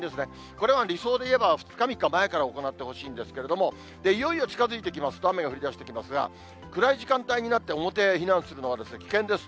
これは理想でいえば、２日、３日前から行ってほしいんですけれども、いよいよ近づいてきますと雨が降りだしてきますが、暗い時間帯になって表へ避難するのは危険です。